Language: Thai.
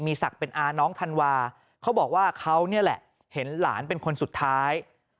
ศักดิ์เป็นอาน้องธันวาเขาบอกว่าเขานี่แหละเห็นหลานเป็นคนสุดท้าย